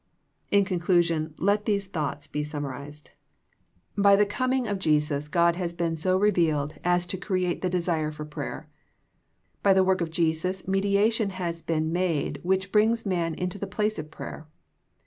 In conclusion let these thoughts be summarized. 42 THE PEACTICE OF PEAYEE By the coming of Jesus God has been so revealed as to create the desire for prayer. By the work of Jesus mediation has been made which brings man into the place of prayer.